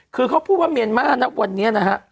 คือเขาพูดว่าเมียนมาร์นะวันนี้นะฮะ